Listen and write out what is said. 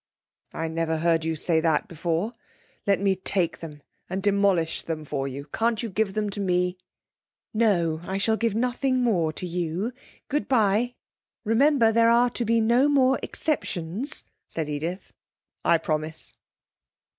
'I never heard you say that before. Let me take them and demolish them for you. Can't you give them to me?' 'No; I shall give nothing more to you. Good bye.... 'Remember, there are to be no more exceptions,' said Edith. 'I promise.'